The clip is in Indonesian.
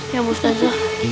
ya usah aja